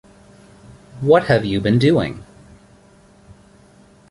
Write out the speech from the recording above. What have you been doing?